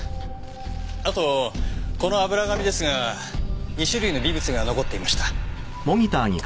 あとこの油紙ですが２種類の微物が残っていました。